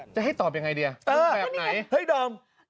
จะให้ตอบอย่างไงดีอะแบบไหน